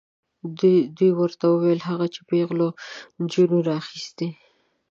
دوی ورته وویل هغه چې پیغلو نجونو راخیستې.